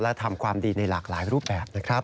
และทำความดีในหลากหลายรูปแบบนะครับ